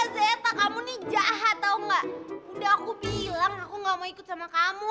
udah aku bilang aku gak mau ikut sama kamu